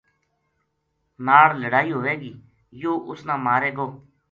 ناڑ لڑائی ہوے گی یوہ اُس نا مارے گو